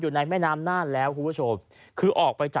อยู่ในแม่น้ำนานแล้วคุณผู้ชม